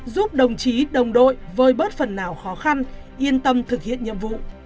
giúp đồng chí đồng đội vơi bớt phần nào khó khăn yên tâm thực hiện nhiệm vụ